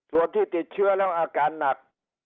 ส่วนที่ติดเชื้อแล้วอาการหนัก